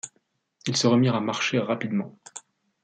Ils se remirent à marcher rapidement.